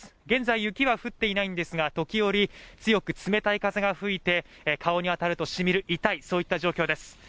現在雪は降っていないんですが時折強く冷たい風が吹いて顔に当たるとしみる痛いそういった状況です